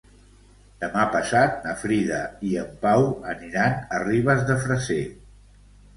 Demà passat na Frida i en Pau aniran a Ribes de Freser.